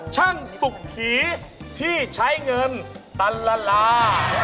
ช่างสุขผีที่ใช้เงินตันละลา